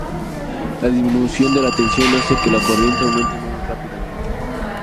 La disminución de la tensión hace que la corriente aumente menos rápidamente.